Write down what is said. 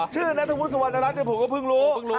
ชื่อนัทวุฒิสุวรรณรัฐเนี่ยผมก็เพิ่งรู้